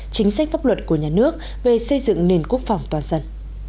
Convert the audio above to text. chính sách pháp luật của nhà nước về xây dựng nền quốc phòng toàn dân